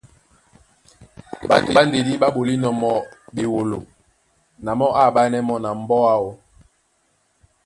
Ɓato ɓá ndedí ɓá ɓolínɔ̄ mɔ́ ɓewolo na mɔ́ á aɓánɛ́ mɔ́ na mbɔ́ áō.